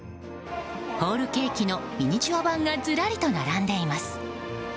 ホールケーキのミニチュア版がずらりと並んでいます。